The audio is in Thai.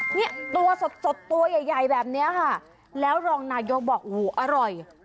เนี่ยตัวสดสดตัวใหญ่ใหญ่แบบนี้ค่ะแล้วรองนายกบอกโอ้โหอร่อย